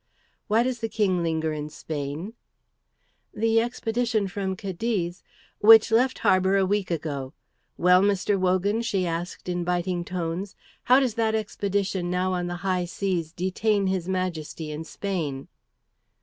"Why does the King linger in Spain?" "The expedition from Cadiz " "Which left harbour a week ago. Well, Mr. Wogan," she asked in biting tones, "how does that expedition now on the high seas detain his Majesty in Spain?"